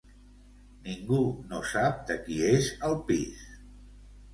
Ningú no sap de qui és el pis.